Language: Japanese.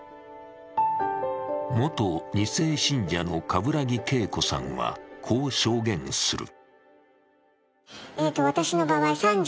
元２世信者の冠木結心さんは、こう証言する。